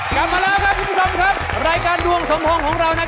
กลับมาแล้วครับที่สองครับรายการดวงสมทองของเรานะครับ